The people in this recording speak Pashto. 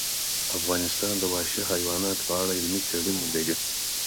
افغانستان د وحشي حیوانات په اړه علمي څېړنې لري.